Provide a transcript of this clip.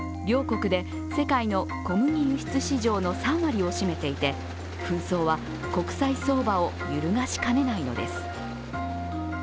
両国で世界の小麦輸出市場の３割を占めていて紛争は国際相場を揺るがしかねないのです。